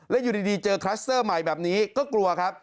แล้วอยู่ดีเจอคลัสเตอร์ใหม่แบบนี้ก็กลัวครับ